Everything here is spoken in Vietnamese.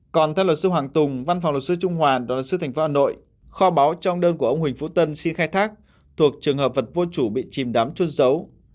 còn theo luật sư hoàng tùng văn phòng luật sư trung hoàn đoàn luật sư tp hà nội kho báu trong đơn của ông huỳnh phú tân xin khai thác thuộc trường hợp vật vô chủ bị chìm đám trôn giấu